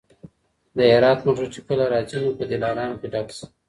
د هرات موټر چي کله راځي نو په دلارام کي ډک سي.